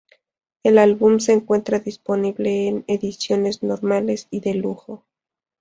El álbum se encuentra disponible en ediciones normales y de lujo.